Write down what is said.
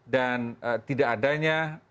dan tidak adanya